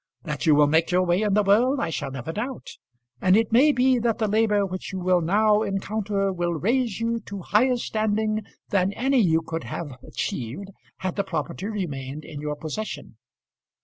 That you will make your way in the world, I shall never doubt; and it may be that the labour which you will now encounter will raise you to higher standing than any you could have achieved, had the property remained in your possession.